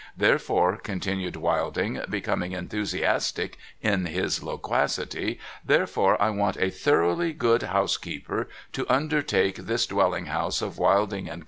There fore,' continued Wilding, becoming enthusiastic in his loquacity, 'therefore, I want a thoroughly good housekeeper to undertake this dwelling house of Wilding and Co.